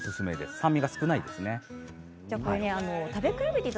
酸味が少ないです。